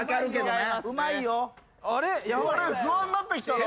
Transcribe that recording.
うまいよ？